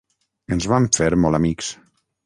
Ens vam fer molt amics.